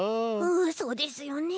うんそうですよね。